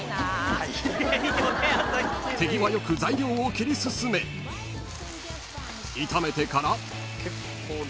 ［手際よく材料を切り進め炒めてから］